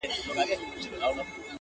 ور سره ښکلی موټر وو نازولی وو د پلار،